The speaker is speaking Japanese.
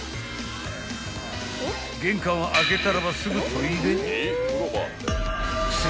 ［玄関を開けたらばすぐトイレ！？］